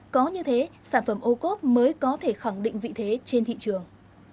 có như thế sản phẩm ocope mới có thể khẳng định vị thế trên thị trường